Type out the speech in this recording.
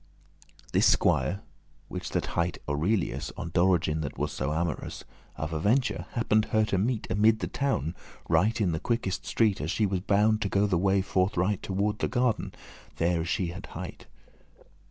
This squier, which that hight Aurelius, On Dorigen that was so amorous, Of aventure happen'd her to meet Amid the town, right in the quickest* street, *nearest As she was bound* to go the way forthright *prepared, going <29> Toward the garden, there as she had hight.